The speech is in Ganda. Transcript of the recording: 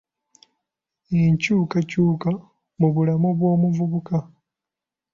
Enkyukakyuka mu bulamu bw'omuvubuka .